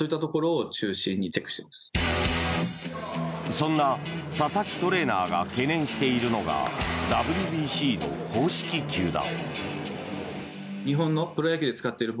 そんな佐々木トレーナーが懸念しているのがＷＢＣの公式球だ。